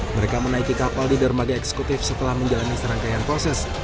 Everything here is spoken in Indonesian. mereka menaiki kapal di dermaga eksekutif setelah menjalani serangkaian proses